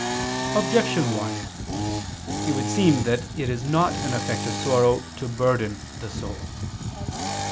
Objection 1: It would seem that it is not an effect of sorrow to burden the soul.